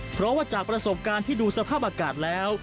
เพราะว่าจากประสบการณ์ที่ดูสภาพอากาศแล้ว